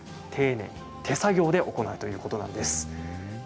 丁寧に手作業で行うということなんです。